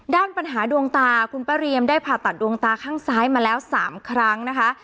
ด้านปัญหาดวงตาคุณป้าเรียมได้ผ่าตัดดวงตาข้างซ้ายมาแล้ว๓ครั้งนะคะ